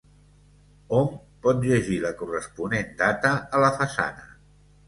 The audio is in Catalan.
Hom pot llegir la corresponent data a la façana.